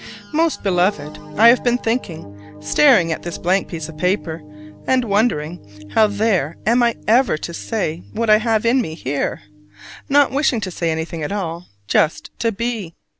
Most Beloved: I have been thinking, staring at this blank piece of paper, and wondering how there am I ever to say what I have in me here not wishing to say anything at all, but just to be!